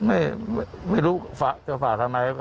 ไม่ไม่รู้หากจะฝากทำไม